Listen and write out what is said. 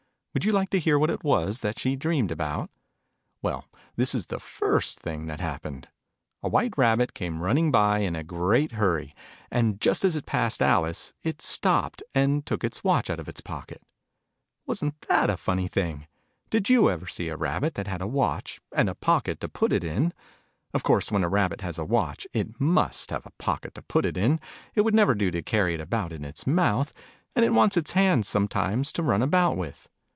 Would you like to hear what it was that she dreamed about ? Well, this was the first thing that happened. A White Rabbit came running by, in a great hurry ; and, just as it passed Alice, it stopped, and took its watch out of its pocket. B Digitized by Google 2 THE NURSERY a ALICE. *» Wasn't that a funny thing ? Did you ever see a Rabbit that had a watch, and a pocket to put it in ? Of course, when a Rabbit has a watch, it must have a pocket to put it in : it would never do to carry it about in its mouth and it wants its hands sometimes, to run about with.